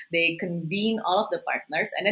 mereka mengadakan semua pasangan